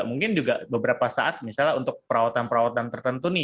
mungkin juga beberapa saat misalnya untuk perawatan perawatan tertentu nih